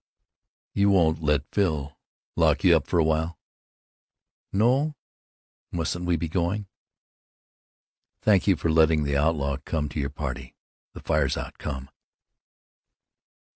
"You won't let Phil lock you up for a while?" "No.... Mustn't we be going?" "Thank you for letting the outlaw come to your party. The fire's out. Come."